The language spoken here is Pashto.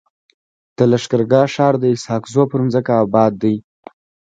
د لښکر ګاه ښار د اسحق زو پر مځکه اباد دی.